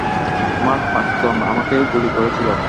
তোমার প্রাক্তন আমাকে গুলি করেছিল।